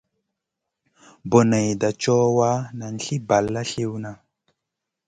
Boneyda co wa, nan sli balla sliwna.